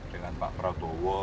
dengan pak prabowo